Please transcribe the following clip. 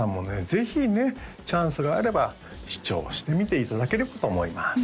ぜひねチャンスがあれば試聴してみていただければと思います